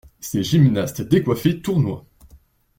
Ces gymnastes décoiffés tournoient.